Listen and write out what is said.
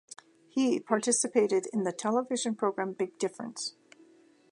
He participated in the television program "Big Difference".